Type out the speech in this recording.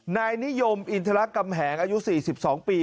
นายนิยมอินทรัลักษ์แก่มแหงอายุ๔๒ปี